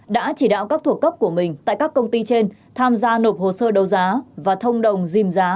đã chỉ đạo các thuộc cấp của mình tại các công ty trên tham gia nộp hồ sơ đấu giá và thông đồng dìm giá